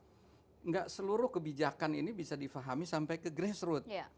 tidak seluruh kebijakan ini bisa difahami sampai ke grassroot